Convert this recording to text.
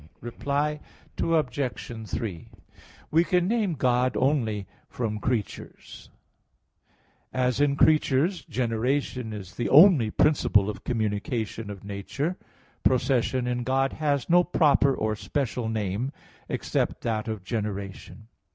Reply Obj. 3: We can name God only from creatures (Q. 13, A. 1). As in creatures generation is the only principle of communication of nature, procession in God has no proper or special name, except that of generation.